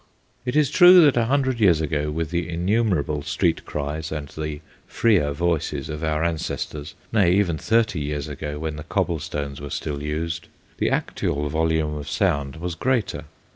It is true that a hundred years ago, with the innumerable street cries and the freer voices of our ancestors nay, even thirty years ago, when the cobble stones were still used the actual volume of sound was greater.